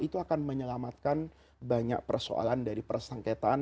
itu akan menyelamatkan banyak persoalan dari persengketaan